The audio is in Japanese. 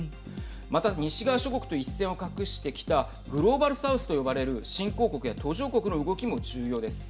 また西側諸国と一線を画してきたグローバルサウスと呼ばれる新興国や途上国の動きも重要です。